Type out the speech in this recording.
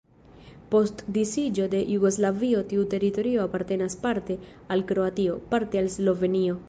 Post disiĝo de Jugoslavio tiu teritorio apartenas parte al Kroatio, parte al Slovenio.